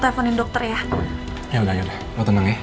telfonin dokter ya ya udah udah lo tenang ya